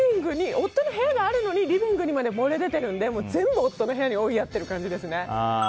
夫の部屋があるのにリビングにまで漏れ出てるんで全部、夫の部屋に追いやっている感じですね。